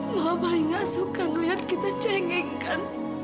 mama paling gak suka ngeliat kita cengeng kan